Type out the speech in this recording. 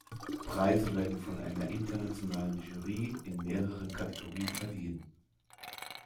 Preise werden von einer internationalen Jury in mehreren Kategorien verliehen.